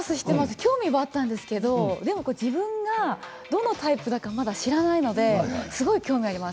興味はあったんですが自分がどのタイプなのかまだ知らないので興味があります。